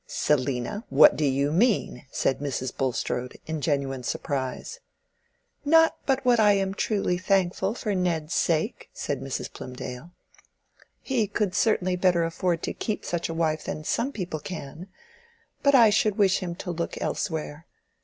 "Selina, what do you mean?" said Mrs. Bulstrode, in genuine surprise. "Not but what I am truly thankful for Ned's sake," said Mrs. Plymdale. "He could certainly better afford to keep such a wife than some people can; but I should wish him to look elsewhere.